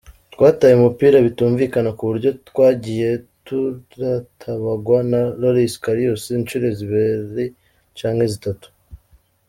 "Twataye umupira bitumvikana ku buryo twagiye turatabagwa na Loris Karius incuro zibiri canke zitatu.